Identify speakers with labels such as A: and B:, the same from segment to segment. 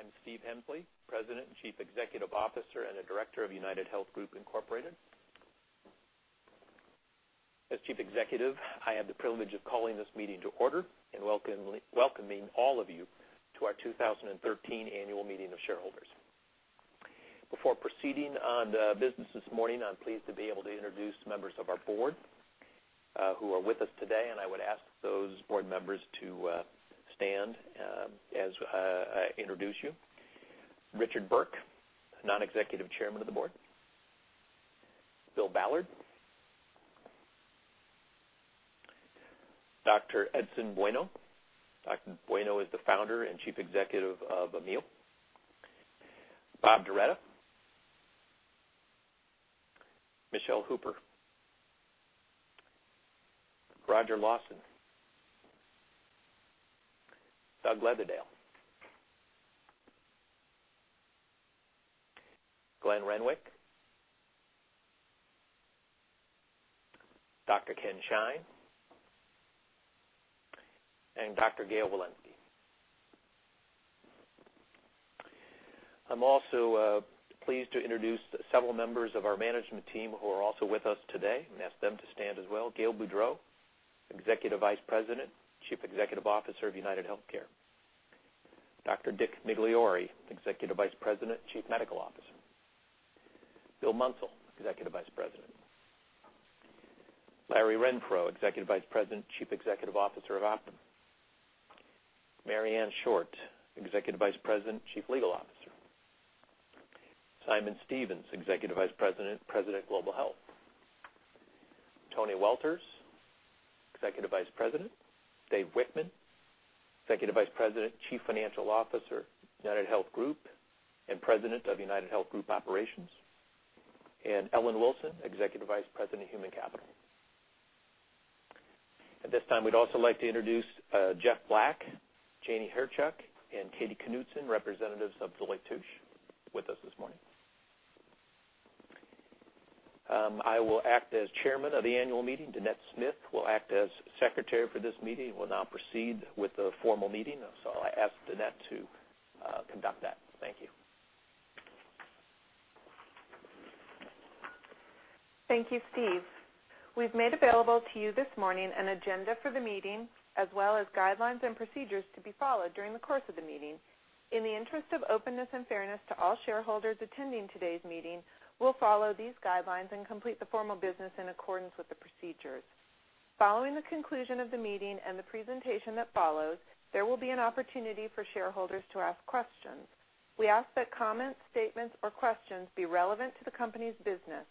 A: Gentlemen, I'm Steve Hemsley, President and Chief Executive Officer and a director of UnitedHealth Group Incorporated. As Chief Executive, I have the privilege of calling this meeting to order and welcoming all of you to our 2013 Annual Meeting of Shareholders. Before proceeding on to business this morning, I'm pleased to be able to introduce members of our board who are with us today, and I would ask those board members to stand as I introduce you. Richard Burke, Non-Executive Chairman of the Board. Bill Ballard. Dr. Edson Bueno. Dr. Bueno is the Founder and Chief Executive of Amil. Bob Darretta. Michele Hooper. Rodger Lawson. Doug Leatherdale. Glenn Renwick. Dr. Ken Shine, and Dr. Gail Wilensky. I'm also pleased to introduce several members of our management team who are also with us today and ask them to stand as well. Gail Boudreaux, Executive Vice President, Chief Executive Officer of UnitedHealthcare. Dr. Dick Migliori, Executive Vice President, Chief Medical Officer. Bill Munsell, Executive Vice President. Larry Renfro, Executive Vice President, Chief Executive Officer of Optum. Marianne Short, Executive Vice President, Chief Legal Officer. Simon Stevens, Executive Vice President Global Health. Tony Welters, Executive Vice President. Dave Wichmann, Executive Vice President, Chief Financial Officer, UnitedHealth Group, and President of UnitedHealth Group Operations, and Ellen Wilson, Executive Vice President of Human Capital. At this time, we'd also like to introduce Jeff Black, Janie Hertzook and Katie Knudsen, representatives of Deloitte & Touche with us this morning. I will act as Chairman of the annual meeting. Dannette Smith will act as Secretary for this meeting and will now proceed with the formal meeting. I ask Dannette to conduct that. Thank you.
B: Thank you, Steve. We've made available to you this morning an agenda for the meeting, as well as guidelines and procedures to be followed during the course of the meeting. In the interest of openness and fairness to all shareholders attending today's meeting, we'll follow these guidelines and complete the formal business in accordance with the procedures. Following the conclusion of the meeting and the presentation that follows, there will be an opportunity for shareholders to ask questions. We ask that comments, statements, or questions be relevant to the company's business.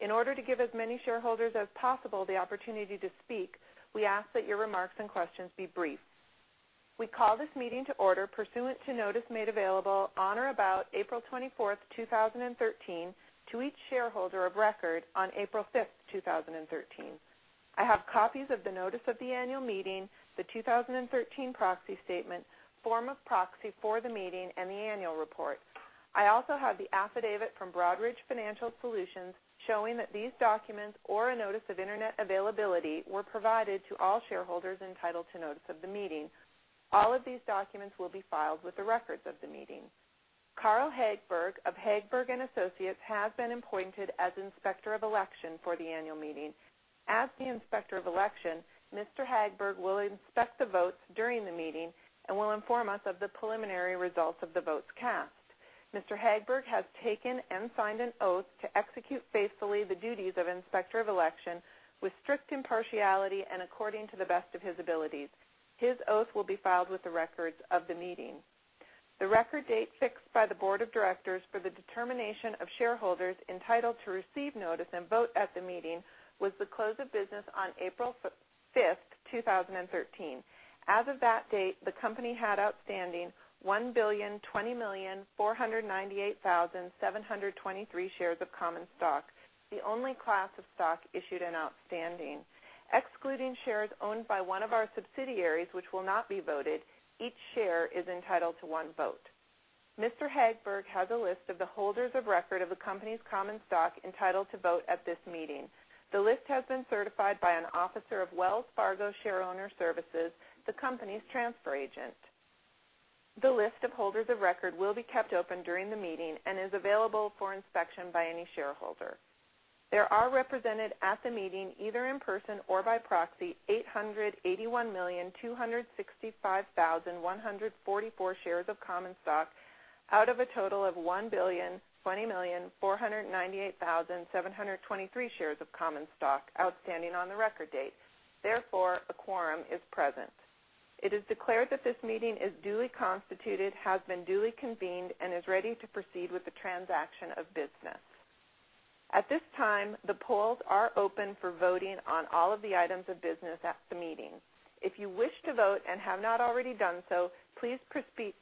B: In order to give as many shareholders as possible the opportunity to speak, we ask that your remarks and questions be brief. We call this meeting to order pursuant to notice made available on or about April 24th, 2013, to each shareholder of record on April 5th, 2013. I have copies of the notice of the annual meeting, the 2013 proxy statement, form of proxy for the meeting, and the annual report. I also have the affidavit from Broadridge Financial Solutions showing that these documents or a notice of internet availability were provided to all shareholders entitled to notice of the meeting. All of these documents will be filed with the records of the meeting. Carl Hagberg of Hagberg and Associates has been appointed as Inspector of Election for the annual meeting. As the Inspector of Election, Mr. Hagberg will inspect the votes during the meeting and will inform us of the preliminary results of the votes cast. Mr. Hagberg has taken and signed an oath to execute faithfully the duties of Inspector of Election with strict impartiality and according to the best of his abilities. His oath will be filed with the records of the meeting. The record date fixed by the board of directors for the determination of shareholders entitled to receive notice and vote at the meeting was the close of business on April 5th, 2013. As of that date, the company had outstanding 1,020,498,723 shares of common stock, the only class of stock issued and outstanding. Excluding shares owned by one of our subsidiaries which will not be voted, each share is entitled to one vote. Mr. Hagberg has a list of the holders of record of the company's common stock entitled to vote at this meeting. The list has been certified by an officer of Wells Fargo Shareowner Services, the company's transfer agent. The list of holders of record will be kept open during the meeting and is available for inspection by any shareholder. There are represented at the meeting, either in person or by proxy, 881,265,144 shares of common stock out of a total of 1,020,498,723 shares of common stock outstanding on the record date. Therefore, a quorum is present. It is declared that this meeting is duly constituted, has been duly convened, and is ready to proceed with the transaction of business. At this time, the polls are open for voting on all of the items of business at the meeting. If you wish to vote and have not already done so, please proceed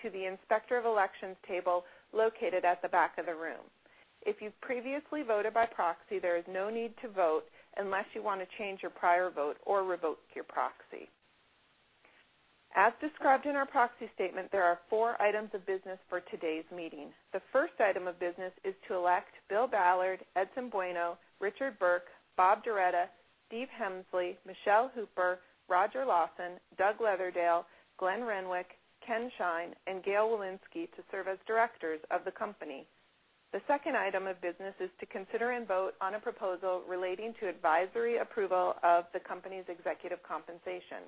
B: to the Inspector of Elections table located at the back of the room. If you've previously voted by proxy, there is no need to vote unless you want to change your prior vote or revoke your proxy. As described in our proxy statement, there are four items of business for today's meeting. The first item of business is to elect Bill Ballard, Edson Bueno, Richard Burke, Bob Darretta, Steve Hemsley, Michele Hooper, Rodger Lawson, Doug Leatherdale, Glenn Renwick, Ken Shine, and Gail Wilensky to serve as directors of the company. The second item of business is to consider and vote on a proposal relating to advisory approval of the company's executive compensation.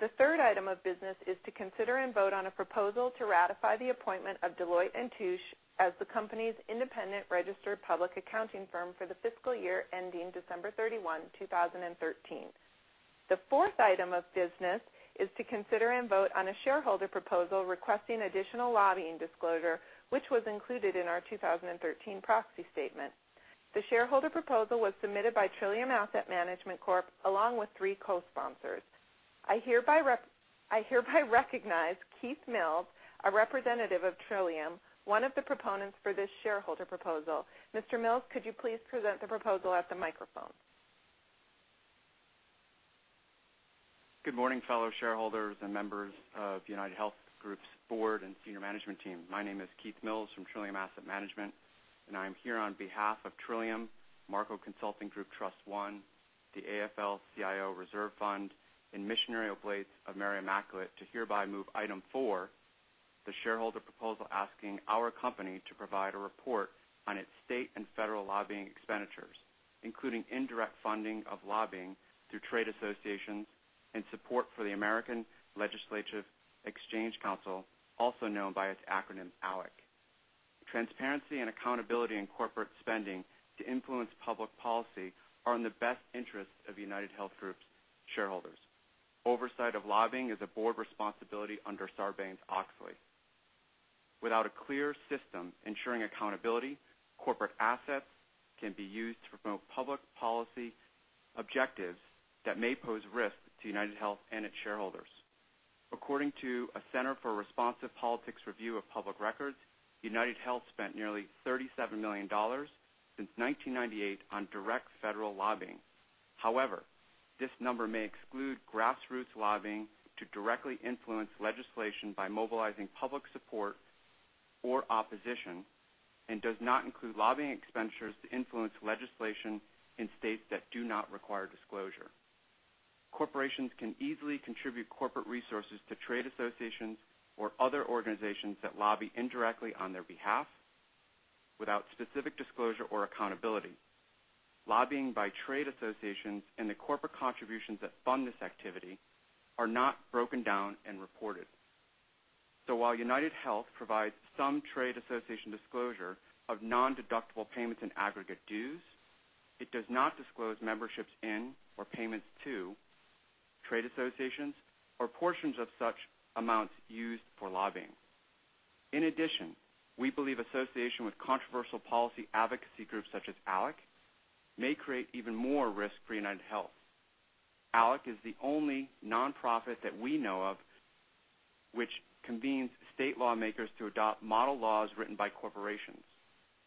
B: The third item of business is to consider and vote on a proposal to ratify the appointment of Deloitte & Touche as the company's independent registered public accounting firm for the fiscal year ending December 31, 2013. The fourth item of business is to consider and vote on a shareholder proposal requesting additional lobbying disclosure, which was included in our 2013 proxy statement. The shareholder proposal was submitted by Trillium Asset Management Corp, along with three co-sponsors. I hereby recognize Keith Mills, a representative of Trillium, one of the proponents for this shareholder proposal. Mr. Mills, could you please present the proposal at the microphone?
C: Good morning, fellow shareholders and members of UnitedHealth Group's board and senior management team. My name is Keith Mills from Trillium Asset Management, and I'm here on behalf of Trillium, MARC Consulting Group Trust I, the AFL-CIO Reserve Fund, and Missionary Oblates of Mary Immaculate to hereby move item four, the shareholder proposal asking our company to provide a report on its state and federal lobbying expenditures. Including indirect funding of lobbying through trade associations and support for the American Legislative Exchange Council, also known by its acronym, ALEC. Transparency and accountability in corporate spending to influence public policy are in the best interest of UnitedHealth Group's shareholders. Oversight of lobbying is a board responsibility under Sarbanes-Oxley. Without a clear system ensuring accountability, corporate assets can be used to promote public policy objectives that may pose risk to UnitedHealth and its shareholders. According to a Center for Responsive Politics review of public records, UnitedHealth spent nearly $37 million since 1998 on direct federal lobbying. This number may exclude grassroots lobbying to directly influence legislation by mobilizing public support or opposition and does not include lobbying expenditures to influence legislation in states that do not require disclosure. Corporations can easily contribute corporate resources to trade associations or other organizations that lobby indirectly on their behalf without specific disclosure or accountability. Lobbying by trade associations and the corporate contributions that fund this activity are not broken down and reported. While UnitedHealth provides some trade association disclosure of non-deductible payments and aggregate dues, it does not disclose memberships in or payments to trade associations or portions of such amounts used for lobbying. In addition, we believe association with controversial policy advocacy groups such as ALEC may create even more risk for UnitedHealth. ALEC is the only nonprofit that we know of which convenes state lawmakers to adopt model laws written by corporations.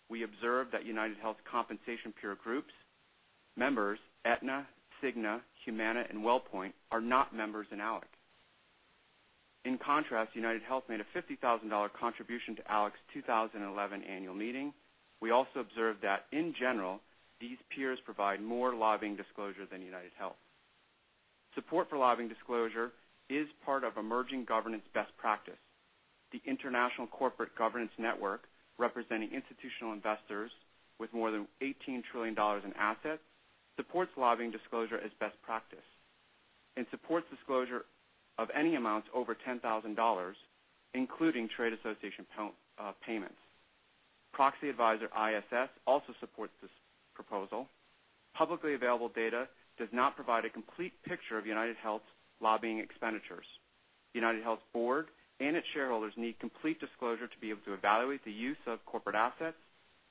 C: We observe that UnitedHealth's compensation peer groups, members Aetna, Cigna, Humana, and WellPoint, are not members in ALEC. In contrast, UnitedHealth made a $50,000 contribution to ALEC's 2011 annual meeting. We also observed that, in general, these peers provide more lobbying disclosure than UnitedHealth. Support for lobbying disclosure is part of emerging governance best practice. The International Corporate Governance Network, representing institutional investors with more than $18 trillion in assets, supports lobbying disclosure as best practice and supports disclosure of any amounts over $10,000, including trade association payments. Proxy advisor ISS also supports this proposal. Publicly available data does not provide a complete picture of UnitedHealth's lobbying expenditures. UnitedHealth's board and its shareholders need complete disclosure to be able to evaluate the use of corporate assets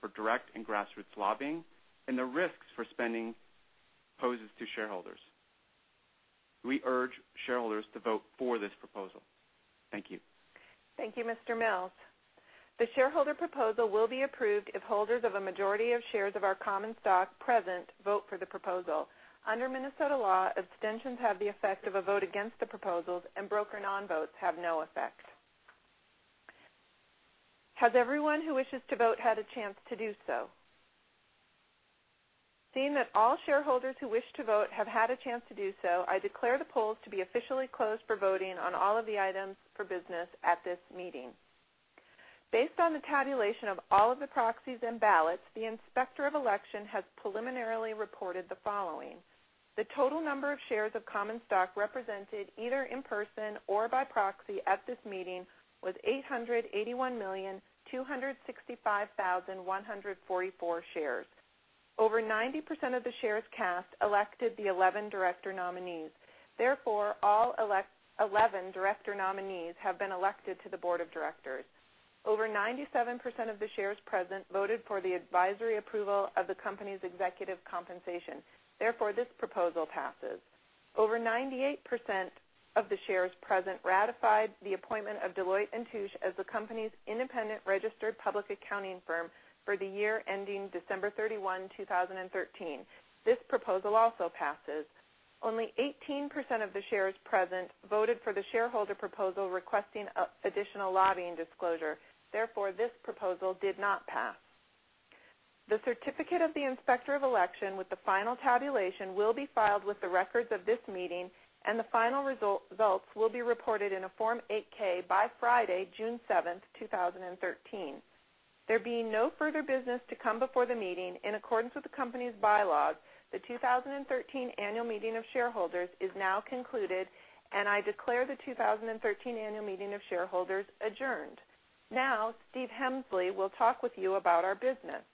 C: for direct and grassroots lobbying and the risks for spending poses to shareholders. We urge shareholders to vote for this proposal. Thank you.
B: Thank you, Mr. Mills. The shareholder proposal will be approved if holders of a majority of shares of our common stock present vote for the proposal. Under Minnesota law, abstentions have the effect of a vote against the proposals, and broker non-votes have no effect. Has everyone who wishes to vote had a chance to do so? Seeing that all shareholders who wish to vote have had a chance to do so, I declare the polls to be officially closed for voting on all of the items for business at this meeting. Based on the tabulation of all of the proxies and ballots, the Inspector of Election has preliminarily reported the following. The total number of shares of common stock represented either in person or by proxy at this meeting was 881,265,144 shares. Over 90% of the shares cast elected the 11 director nominees. All 11 director nominees have been elected to the board of directors. Over 97% of the shares present voted for the advisory approval of the company's executive compensation. This proposal passes. Over 98% of the shares present ratified the appointment of Deloitte & Touche as the company's independent registered public accounting firm for the year ending December 31, 2013. This proposal also passes. Only 18% of the shares present voted for the shareholder proposal requesting additional lobbying disclosure. This proposal did not pass. The certificate of the Inspector of Election with the final tabulation will be filed with the records of this meeting, and the final results will be reported in a Form 8-K by Friday, June 7th, 2013. There being no further business to come before the meeting, in accordance with the company's bylaws, the 2013 Annual Meeting of Shareholders is now concluded, and I declare the 2013 Annual Meeting of Shareholders adjourned. Steve Hemsley will talk with you about our business.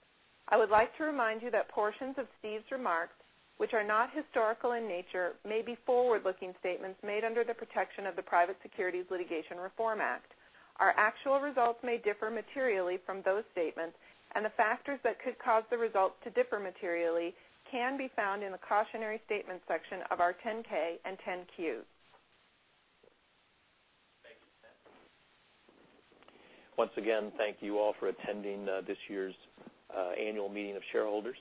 B: I would like to remind you that portions of Steve's remarks, which are not historical in nature, may be forward-looking statements made under the protection of the Private Securities Litigation Reform Act. Our actual results may differ materially from those statements, and the factors that could cause the results to differ materially can be found in the Cautionary Statement section of our 10-K and 10-Q.
A: Thank you. Once again, thank you all for attending this year's Annual Meeting of Shareholders.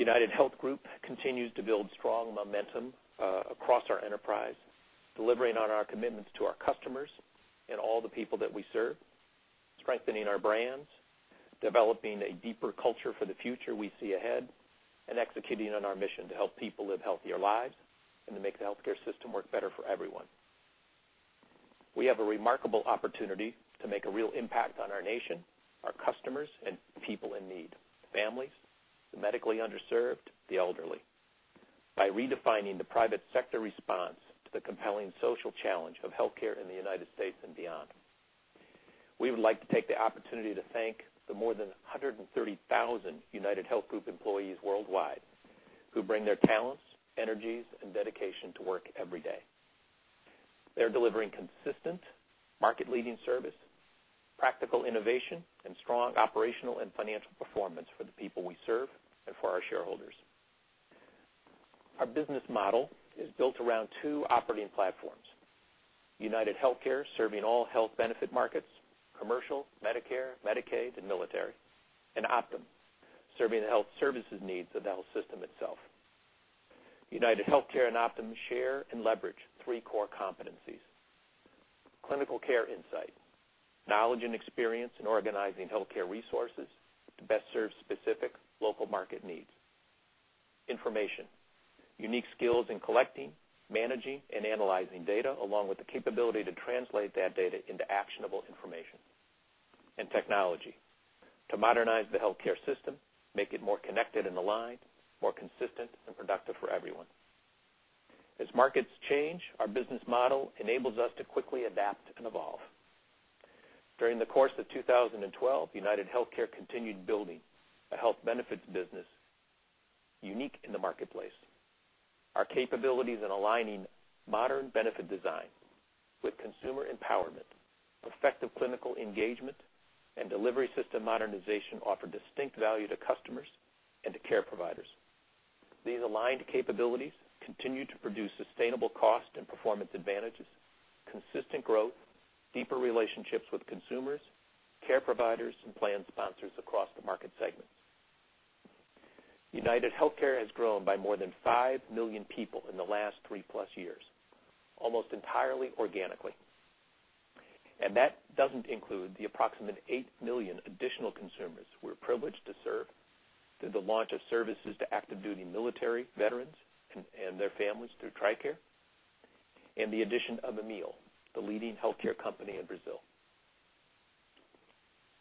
A: UnitedHealth Group continues to build strong momentum across our enterprise, delivering on our commitments to our customers and all the people that we serve, strengthening our brands, developing a deeper culture for the future we see ahead, and executing on our mission to help people live healthier lives and to make the healthcare system work better for everyone. We have a remarkable opportunity to make a real impact on our nation, our customers, and people in need, families, the medically underserved, the elderly, by redefining the private sector response to the compelling social challenge of healthcare in the U.S. and beyond. We would like to take the opportunity to thank the more than 130,000 UnitedHealth Group employees worldwide who bring their talents, energies, and dedication to work every day. They're delivering consistent market-leading service, practical innovation, and strong operational and financial performance for the people we serve and for our shareholders. Our business model is built around two operating platforms. UnitedHealthcare, serving all health benefit markets, commercial, Medicare, Medicaid, and military, and Optum, serving the health services needs of the health system itself. UnitedHealthcare and Optum share and leverage three core competencies. Clinical care insight, knowledge and experience in organizing healthcare resources to best serve specific local market needs. Information, unique skills in collecting, managing, and analyzing data along with the capability to translate that data into actionable information. Technology to modernize the healthcare system, make it more connected and aligned, more consistent and productive for everyone. As markets change, our business model enables us to quickly adapt and evolve. During the course of 2012, UnitedHealthcare continued building a health benefits business unique in the marketplace. Our capabilities in aligning modern benefit design with consumer empowerment, effective clinical engagement, and delivery system modernization offer distinct value to customers and to care providers. These aligned capabilities continue to produce sustainable cost and performance advantages, consistent growth, deeper relationships with consumers, care providers, and plan sponsors across the market segments. UnitedHealthcare has grown by more than 5 million people in the last three-plus years, almost entirely organically. That doesn't include the approximate 8 million additional consumers we're privileged to serve through the launch of services to active duty military veterans and their families through TRICARE, and the addition of Amil, the leading healthcare company in Brazil.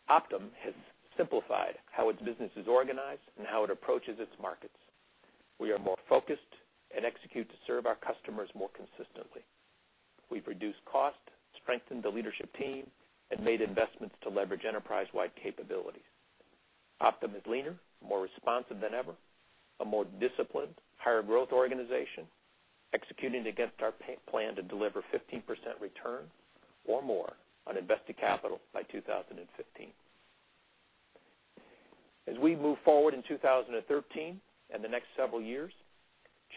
A: Optum has simplified how its business is organized and how it approaches its markets. We are more focused and execute to serve our customers more consistently. We've reduced cost, strengthened the leadership team, and made investments to leverage enterprise-wide capabilities. Optum is leaner, more responsive than ever, a more disciplined, higher growth organization, executing against our plan to deliver 15% return or more on invested capital by 2015. As we move forward in 2013 and the next several years,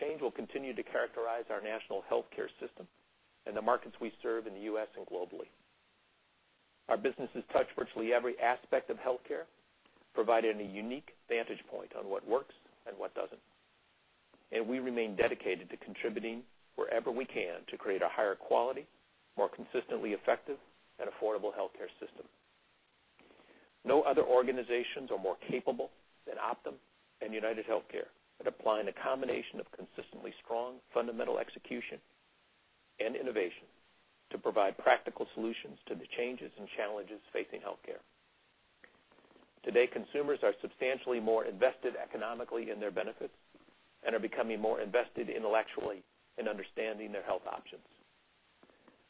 A: change will continue to characterize our national healthcare system and the markets we serve in the U.S. and globally. Our businesses touch virtually every aspect of healthcare, providing a unique vantage point on what works and what doesn't, and we remain dedicated to contributing wherever we can to create a higher quality, more consistently effective, and affordable healthcare system. No other organizations are more capable than Optum and UnitedHealthcare at applying a combination of consistently strong fundamental execution and innovation to provide practical solutions to the changes and challenges facing healthcare. Today, consumers are substantially more invested economically in their benefits and are becoming more invested intellectually in understanding their health options.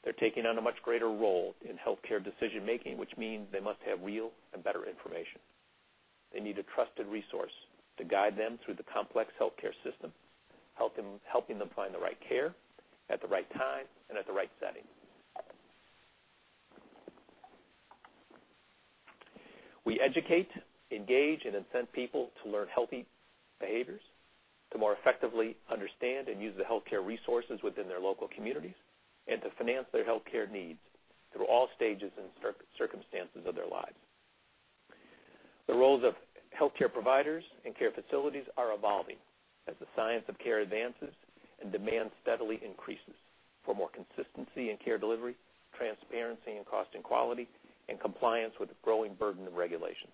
A: They're taking on a much greater role in healthcare decision-making, which means they must have real and better information. They need a trusted resource to guide them through the complex healthcare system, helping them find the right care at the right time and at the right setting. We educate, engage, and incent people to learn healthy behaviors, to more effectively understand and use the healthcare resources within their local communities, and to finance their healthcare needs through all stages and circumstances of their lives. The roles of healthcare providers and care facilities are evolving as the science of care advances and demand steadily increases. For more consistency in care delivery, transparency in cost and quality, and compliance with the growing burden of regulations.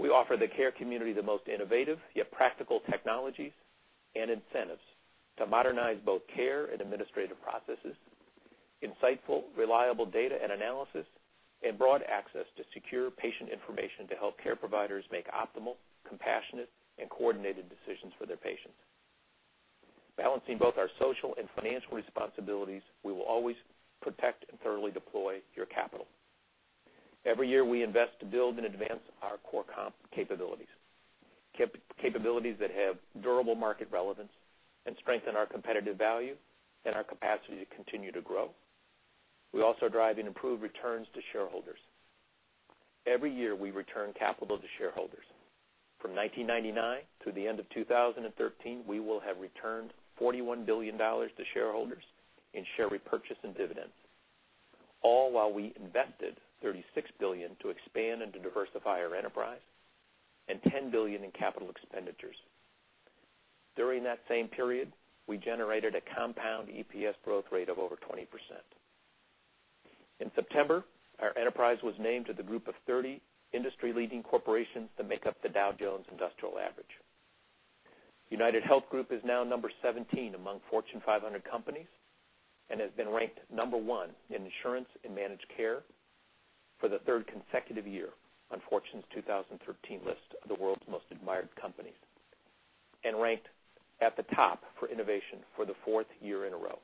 A: We offer the care community the most innovative, yet practical technologies and incentives to modernize both care and administrative processes, insightful, reliable data and analysis, and broad access to secure patient information to help care providers make optimal, compassionate, and coordinated decisions for their patients. Balancing both our social and financial responsibilities, we will always protect and thoroughly deploy your capital. Every year, we invest to build and advance our core capabilities. Capabilities that have durable market relevance and strengthen our competitive value and our capacity to continue to grow. We also drive and improve returns to shareholders. Every year, we return capital to shareholders. From 1999 to the end of 2013, we will have returned $41 billion to shareholders in share repurchase and dividends, all while we invested $36 billion to expand and to diversify our enterprise and $10 billion in capital expenditures. During that same period, we generated a compound EPS growth rate of over 20%. In September, our enterprise was named to the group of 30 industry-leading corporations that make up the Dow Jones Industrial Average. UnitedHealth Group is now number 17 among Fortune 500 companies and has been ranked number 1 in insurance and managed care for the third consecutive year on Fortune's 2013 list of the world's most admired companies and ranked at the top for innovation for the fourth year in a row.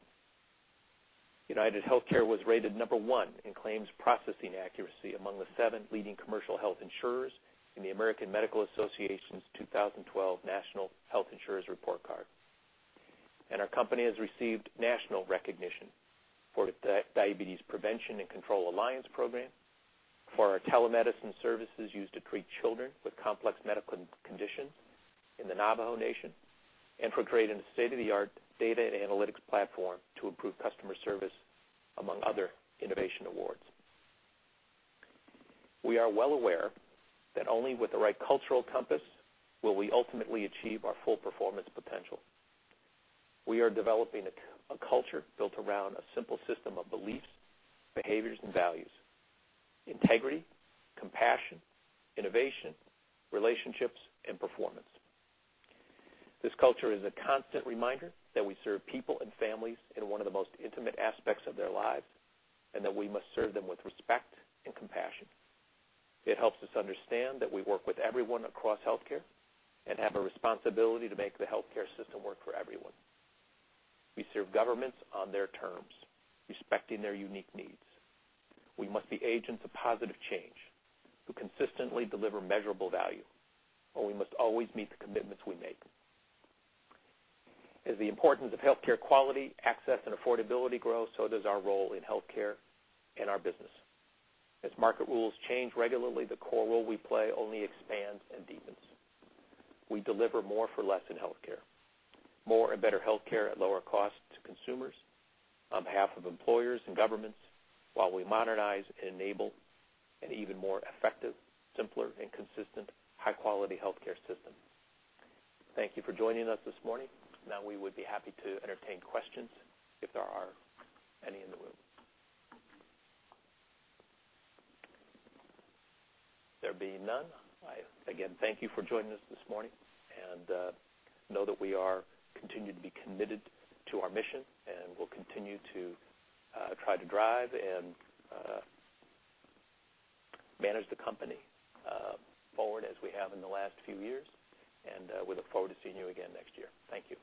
A: UnitedHealthcare was rated number 1 in claims processing accuracy among the seven leading commercial health insurers in the American Medical Association's 2012 National Health Insurer Report Card. Our company has received national recognition for the Diabetes Prevention and Control Alliance program, for our telemedicine services used to treat children with complex medical conditions in the Navajo Nation, and for creating a state-of-the-art data and analytics platform to improve customer service, among other innovation awards. We are well aware that only with the right cultural compass will we ultimately achieve our full performance potential. We are developing a culture built around a simple system of beliefs, behaviors, and values, integrity, compassion, innovation, relationships, and performance. This culture is a constant reminder that we serve people and families in one of the most intimate aspects of their lives, and that we must serve them with respect and compassion. It helps us understand that we work with everyone across healthcare and have a responsibility to make the healthcare system work for everyone. We serve governments on their terms, respecting their unique needs. We must be agents of positive change who consistently deliver measurable value, we must always meet the commitments we make. As the importance of healthcare quality, access, and affordability grows, so does our role in healthcare and our business. As market rules change regularly, the core role we play only expands and deepens. We deliver more for less in healthcare, more and better healthcare at lower costs to consumers, on behalf of employers and governments, while we modernize and enable an even more effective, simpler, and consistent high-quality healthcare system. Thank you for joining us this morning. Now we would be happy to entertain questions if there are any in the room. There being none, I, again, thank you for joining us this morning, and know that we continue to be committed to our mission, and we'll continue to try to drive and manage the company forward as we have in the last few years. We look forward to seeing you again next year. Thank you.